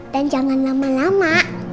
dan jangan lama lama